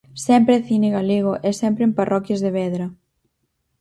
Sempre é cine galego e sempre en parroquias de Vedra.